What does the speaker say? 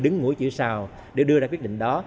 đứng ngũi chữ sào để đưa ra quyết định đó